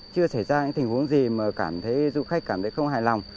chưa xảy ra những tình huống gì mà cảm thấy du khách cảm thấy không hài lòng